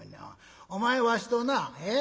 お前わしとなええ？